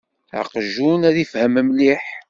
Aqjun-a ifehhem mliḥ.